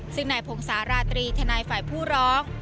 ซึ่งนายพงศาลาตรีทนายฝ่ายผู้ร้อง